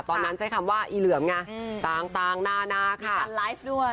ตอนนั้นใช้คำว่าอีเหลื่อมไงต่างหน้าค่ะมีการไลฟ์ด้วย